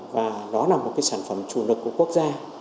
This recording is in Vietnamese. và đó là một cái sản phẩm chủ lực của quốc gia